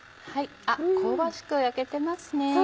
香ばしく焼けてますね。